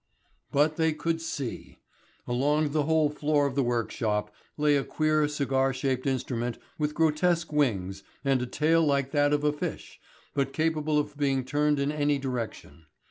But they could see. Along the whole floor of the workshop lay a queer, cigar shaped instrument with grotesque wings and a tail like that of a fish, but capable of being turned in any direction.